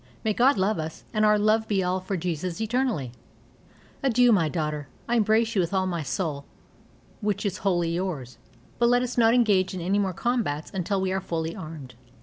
May God love us, and our love be all for Jesus eternally. Adieu, my daughter. I embrace you with all my soul which is wholly yours. But let us not engage in any more combats until we are fully armed!